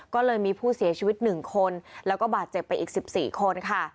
ก็เลยมีผู้เสียชีวิต๑คนแล้วก็บาดเจ็บไปอีก๑๔คนค่ะ